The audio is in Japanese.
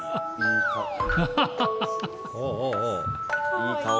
いい顔。